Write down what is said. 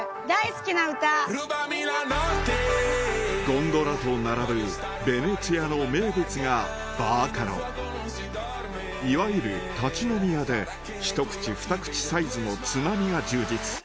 ゴンドラと並ぶベネチアの名物が「バーカロ」いわゆる立ち飲み屋で一口二口サイズのつまみが充実